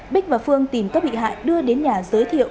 bích và phương tìm các bị hại đưa đến nhà giới thiệu